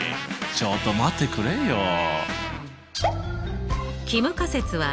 ちょっと待ってくれよ。